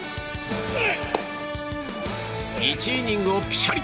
１イニングをピシャリ！